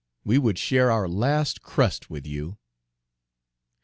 We would share our last crust with you."